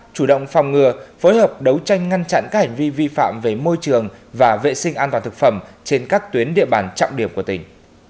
chủ động phòng ngừa phối hợp đấu tranh ngăn chặn các hành vi vi phạm về môi trường và vệ sinh an toàn thực phẩm trên các tuyến địa bàn trọng điểm của tỉnh